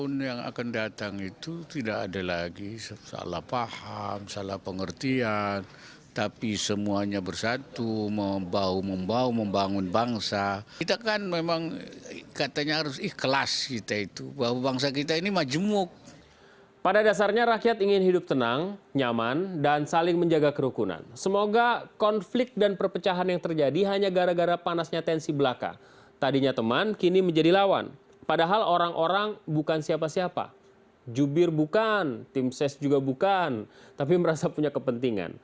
nantikan perbincangan kami dengan menteri agama sesaat lagi